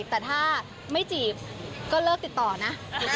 แต่ถ้าไม่จีบก็เลิกติดต่อนะ